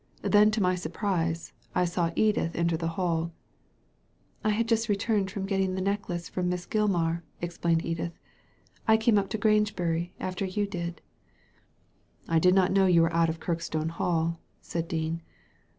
Then, to my surprise, I saw Edith enter the HalL" ''I had just returned from getting the necklace from Miss Gilmar," explained Edith. "I came up to Grangebury after you did." " I did not know you were out of Kirkstone Hall," said Dean.